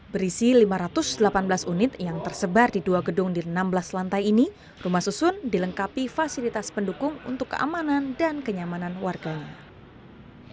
berisi lima ratus delapan belas unit yang tersebar di dua gedung di enam belas lantai ini rumah susun dilengkapi fasilitas pendukung untuk keamanan dan kenyamanan warganya